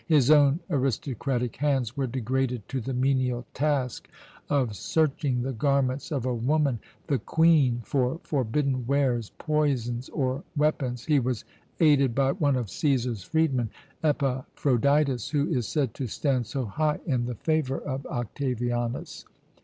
His own aristocratic hands were degraded to the menial task of searching the garments of a woman, the Queen, for forbidden wares, poisons or weapons. He was aided by one of Cæsar's freedmen, Epaphroditus, who is said to stand so high in the favour of Octavianus.